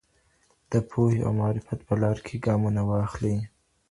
د پوهې او معرفت په لار کي ګامونه واخلئ.